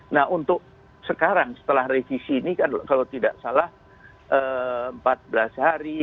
nah untuk sekarang setelah revisi ini kalau tidak salah empat belas hari